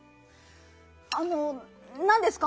あのなんですか？